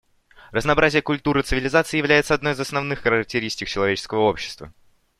Разнообразие культур и цивилизаций является одной из основных характеристик человеческого общества.